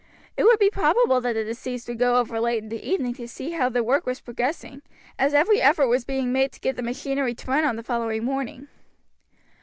It would be probable that the deceased would go over late in the evening to see how the work was progressing, as every effort was being made to get the machinery to run on the following morning.